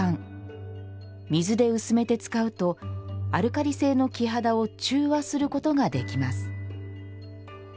水で薄めて使うとアルカリ性の木肌を中和することができます